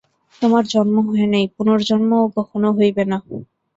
তোমার জন্ম হয় নাই, পুনর্জন্মও কখনও হইবে না।